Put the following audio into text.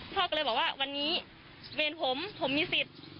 พ่อก็เลยบอกว่าวันนี้เวรผมผมมีสิทธิ์